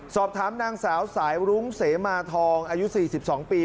สอบถามนางสาวสายรุ้งเสมาทองอายุ๔๒ปี